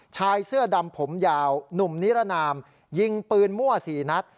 ชายเสื้อดำผมยาวหนุ่มนิรนามยิงปืนมั่ว๔นัด